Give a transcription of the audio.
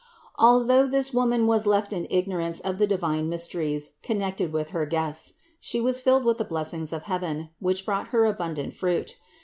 Although this woman was left in ignorance of the divine mysteries connected with her Guests, she was filled with the bless ings of heaven, which brought her abundant fruit.